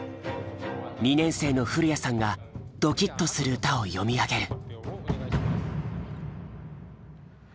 ２年生の古谷さんがドキッとする歌を詠み上げる。